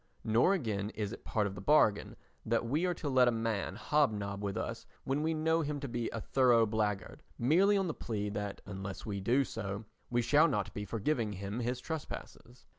Nor again is it part of the bargain that we are to let a man hob nob with us when we know him to be a thorough blackguard, merely on the plea that unless we do so we shall not be forgiving him his trespasses.